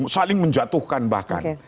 saling menjatuhkan bahkan